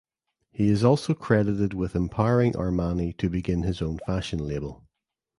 He is also credited with empowering Armani to begin his own fashion label.